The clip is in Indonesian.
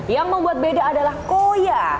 yang membuat beda adalah koya